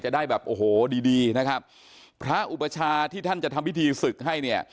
ได้แบบโอ้โหดีดีนะครับพระอุปชาที่ท่านจะทำพิธีศึกให้เนี่ย